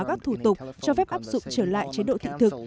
các thủ tục cho phép áp dụng trở lại chế độ thị thực